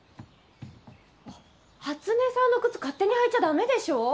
初音さんの靴勝手に履いちゃ駄目でしょう。